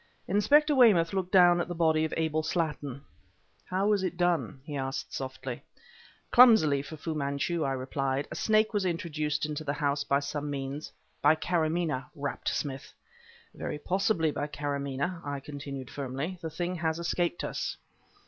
Inspector Weymouth looked down at the body of Abel Slattin. "How was it done?" he asked softly. "Clumsily for Fu Manchu," I replied. "A snake was introduced into the house by some means " "By Karamaneh!" rapped Smith. "Very possibly by Karamaneh," I continued firmly. "The thing has escaped us."